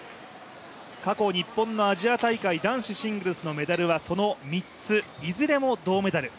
過去日本のアジア大会男子シングルスのメダルは３ついずれも銅メダル。